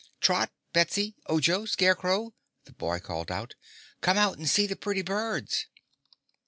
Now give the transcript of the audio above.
"Trot, Betsy, Ojo, Scarecrow!" the boy called. "Come out and see the pretty birds!"